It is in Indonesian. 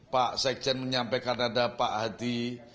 pak sekjen menyampaikan ada pak hadi